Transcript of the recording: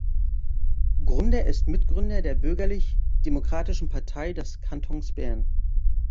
Grunder ist Mitgründer der Bürgerlich-Demokratischen Partei des Kantons Bern.